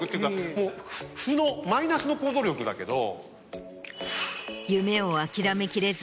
負のマイナスの行動力だけど。